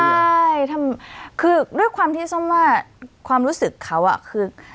ใช่คือด้วยความที่ส้มว่าความรู้สึกเขาคือ